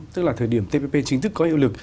tức là thời điểm tpp chính thức có hiệu lực